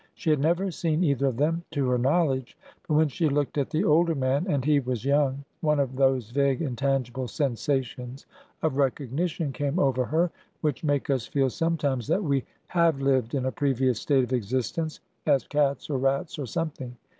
She had never seen either of them, to her knowledge ; but when she looked at the older man (and he was young) one of those vague, intangible sensations of recognition came over her which make us feel sometimes that we have lived in a previous state of existence as cats, or rats, or some thing.